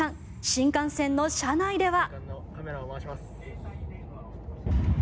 新幹線の車内では。